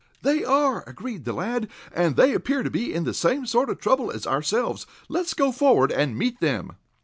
"They are," agreed the lad, "and they appear to be in the same sort of trouble as ourselves. Let's go forward, and meet them."